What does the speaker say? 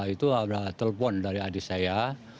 itu ada telepon dari adik saya